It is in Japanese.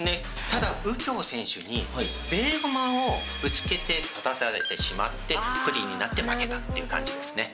ただ佑京選手にベーゴマをぶつけて立たされてしまって不利になって負けたっていう感じですね。